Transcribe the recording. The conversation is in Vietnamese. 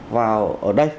vào ở đây